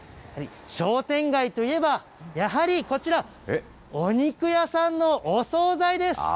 商店街といえば、やはりこちら、お肉屋さんのお総菜です。